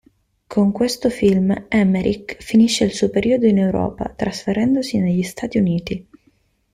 Con questo film Emmerich finisce il suo periodo in Europa, trasferendosi negli Stati Uniti.